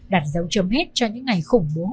đặt dấu chấm hết cho những ngày khủng bố